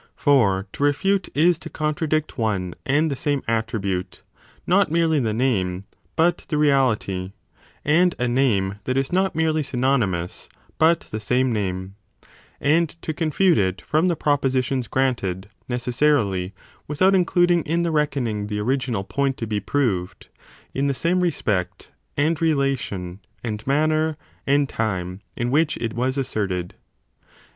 For to refute is to contradict one and the same attribute not merely the name, but the reality and a name that is not merely synonymous but the 35 same name and to confute it from the propositions granted, necessarily, without including in the reckoning the original point to be proved, in the same respect and relation and manner and time in which it was asserted.